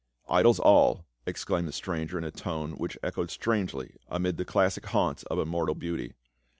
" Idols all !" exclaimed the stranger in a tone which echoed strangely amid the classic haunts of immortal beauty.